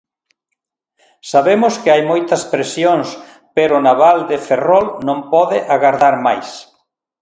Sabemos que hai moitas presións, pero o naval de Ferrol non pode agardar máis.